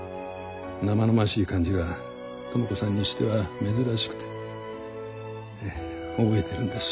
生々しい感じが知子さんにしては珍しくてええ覚えてるんです。